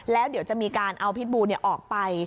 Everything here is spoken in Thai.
แล้วเดี๋ยวจะมีการเอาพิษบูออกไป